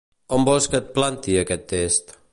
On vols que el planti, aquest test?